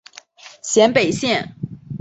咸北线